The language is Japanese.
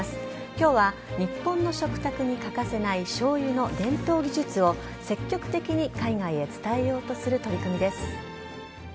今日は日本の食卓に欠かせないしょうゆの伝統技術を積極的に海外へ伝えようとする取り組みです。